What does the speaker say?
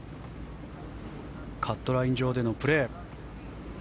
カットライン上でのプレー。